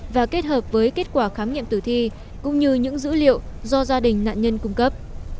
và kết hợp với kết quả khám nghiệm tử thi cũng như những dữ liệu do gia đình nạn nhân cung cấp